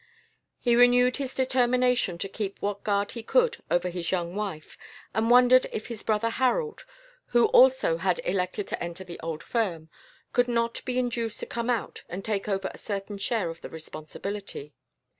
He renewed his determination to keep what guard he could over his young wife, and wondered if his brother Harold, who also had elected to enter the old firm, could not be induced to come out and take over a certain share of the responsibility.